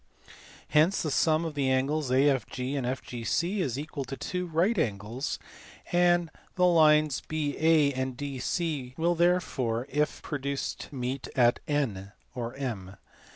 Hence the sum of the angles AFG and FGC is equal to two H right angles, and the lines BA and DC will therefore if pro duced meet at N (or J